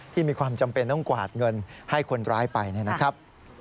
มีความจำเป็นต้องกวาดเงินให้คนร้ายไปนะครับ